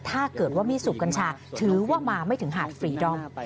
ถ้าเกิดว่าไม่สูบกัญชาถือว่ามาไม่ถึงหาดฟรีดอม